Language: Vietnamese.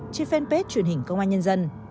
trên fanpage truyền hình công an nhân dân